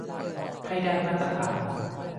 ให้ได้มาตรฐาน